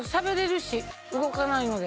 動かないので。